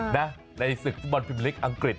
นะในศึกษุบันพิมพลิกอังกฤษ